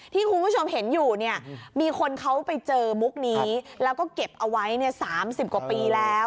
ที่คุณผู้ชมเห็นอยู่เนี่ยมีคนเขาไปเจอมุกนี้แล้วก็เก็บเอาไว้๓๐กว่าปีแล้ว